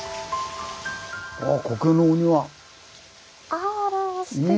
あらすてき。